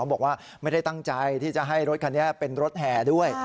บอกว่าไม่ได้ตั้งใจที่จะให้รถคันนี้เป็นรถแห่ด้วย